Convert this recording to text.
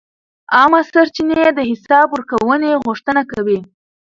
عامه سرچینې د حساب ورکونې غوښتنه کوي.